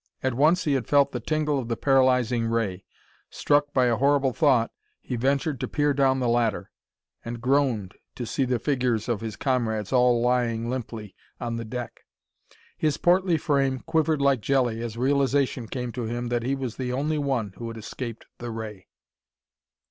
At once he had felt the tingle of the paralyzing ray. Struck by a horrible thought, he ventured to peer down the ladder and groaned to see the figures of his comrades, all lying limply on the deck. His portly frame quivered like jelly as realization came to him that he was the only one who had escaped the ray.